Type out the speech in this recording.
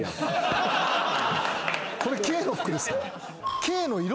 これＫの服ですか？